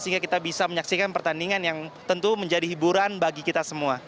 sehingga kita bisa menyaksikan pertandingan yang tentu menjadi hiburan bagi kita semua